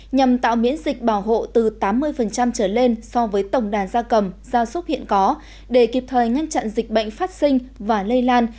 nhằm tạo miễn dịch bảo hộ từ tám mươi trở lên so với tổng đàn gia cầm gia súc hiện có để kịp thời ngăn chặn dịch bệnh phát sinh và lây lan